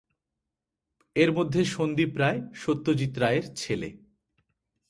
এর মধ্যে সন্দীপ রায় সত্যজিৎ রায়ের ছেলে।